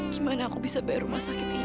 gimana aku bisa bayar rumah sakit ini